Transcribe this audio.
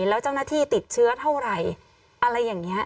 แล้วเจ้าหน้าที่ติดเชื้อเท่าไหร่อะไรอย่างนี้